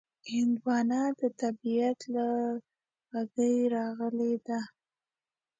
هندوانه د طبیعت له غېږې راغلې ده.